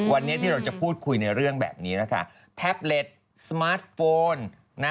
วันนี้ที่เราจะพูดคุยในเรื่องแบบนี้นะคะแท็บเล็ตสมาร์ทโฟนนะ